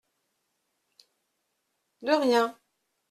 De rien !